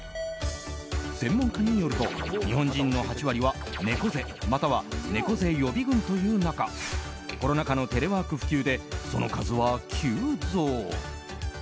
専門家によると日本人の８割は猫背または猫背予備軍という中コロナ禍のテレワーク普及でその数は急増。